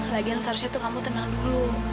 lagian sarsnya tuh kamu tenang dulu